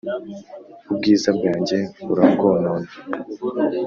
ubwiza bwanjye urabwonona